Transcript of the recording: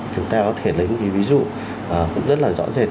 chúng ta có thể lấy một ví dụ cũng rất là rõ rệt